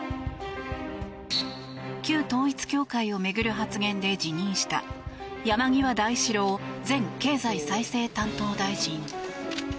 旧統一教会を巡る発言で辞任した山際大志郎前経済再生担当大臣。